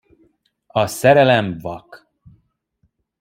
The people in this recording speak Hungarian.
A szerelem vak.